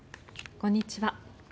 こんにちは。